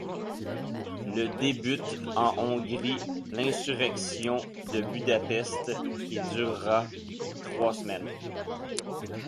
Le débute en Hongrie l'Insurrection de Budapest, qui durera trois semaines.